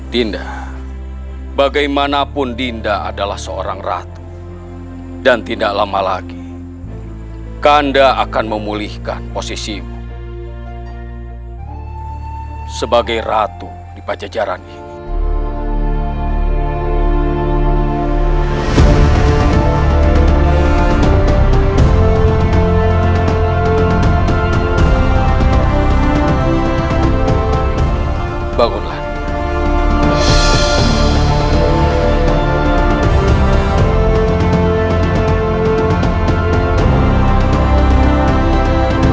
dinda bagaimanapun dinda adalah seorang ratu dan tidak lama lagi kanda akan memulihkan posisimu sebagai ratu di pajajaran ini